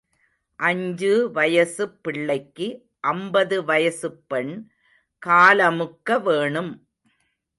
அஞ்சு வயசுப் பிள்ளைக்கு அம்பது வயசுப் பெண் காலமுக்க வேணும்.